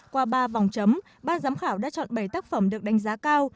qua ba vòng chấm ban giám khảo đã chọn bảy tác phẩm được đánh giá cao